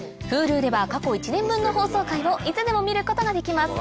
Ｈｕｌｕでは過去１年分の放送回をいつでも見ることができます